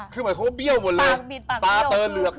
เพราะเขาเบี้ยวหมดเลยตาเตอร์เหลือกหมด